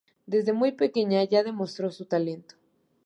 Desde muy pequeña ya demostró su talento.